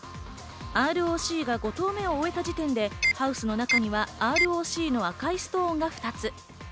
ＲＯＣが５投目を終えた時点で、ハウスの中にはＲＯＣの赤いストーンが２つ。